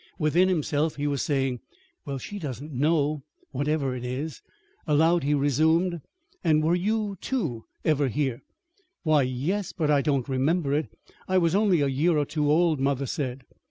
Within himself he was saying: "Well, she doesn't know, whatever it is." Aloud he resumed: "And were you, too, ever here?" "Why, yes; but I don't remember it. I was only a year or two old, mother said."